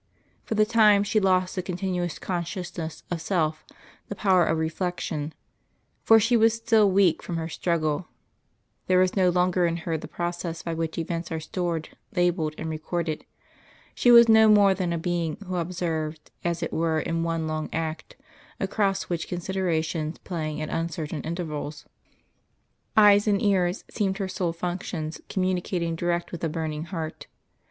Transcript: For the time she lost the continuous consciousness of self, the power of reflection, for she was still weak from her struggle; there was no longer in her the process by which events are stored, labelled and recorded; she was no more than a being who observed as it were in one long act, across which considerations played at uncertain intervals. Eyes and ear seemed her sole functions, communicating direct with a burning heart.